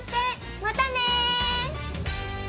またね。